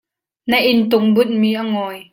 Na inntung bunh mi a ngawi.